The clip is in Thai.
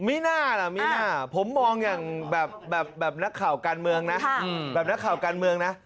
มิน่าล่ะมิน่าผมมองอย่างแบบนักข่าวการเมืองนะ